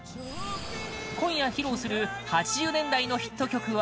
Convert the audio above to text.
今夜、披露する８０年代のヒット曲は